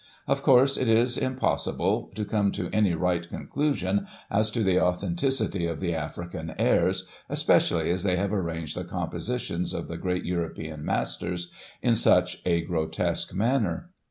Of course, it is impossible to come to any right conclusion as to the authen ticity of the African airs, especially as they have arranged the compositions of the great European masters in such a grotesque manner.